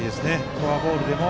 フォアボールでも。